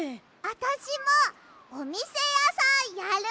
あたしもおみせやさんやる！